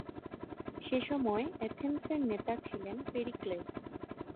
সেসময় অ্যাথেন্সের নেতা ছিলেন পেরিক্লেস।